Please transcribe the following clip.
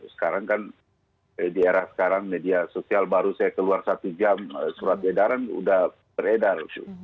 sekarang kan di era sekarang media sosial baru saya keluar satu jam surat edaran sudah beredar